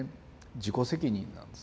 自己責任なんです。